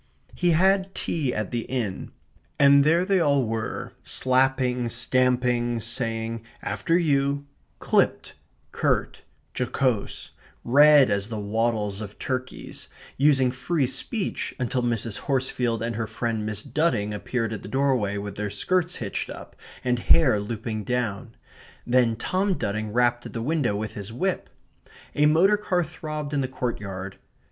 He had tea at the Inn; and there they all were, slapping, stamping, saying, "After you," clipped, curt, jocose, red as the wattles of turkeys, using free speech until Mrs. Horsefield and her friend Miss Dudding appeared at the doorway with their skirts hitched up, and hair looping down. Then Tom Dudding rapped at the window with his whip. A motor car throbbed in the courtyard.